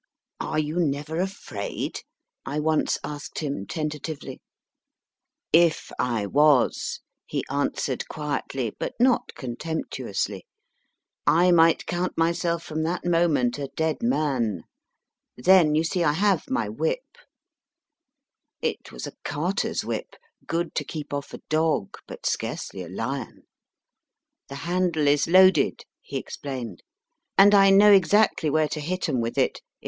Are you never afraid ? I once asked him tentatively. IT TOOK OFF FROM HIS SHOULDER in the wrong place. JAMES PAYN 19 If I was, he answered, quietly, but not contemptuously, I might count myself from that moment a dead man. Then, you see, I have my whip. It was a carter s whip, good to keep off a dog, but scarcely a lion. The handle is loaded, he explained, and I know exactly where to hit em with it, if MR.